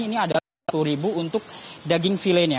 ini adalah rp satu untuk daging filenya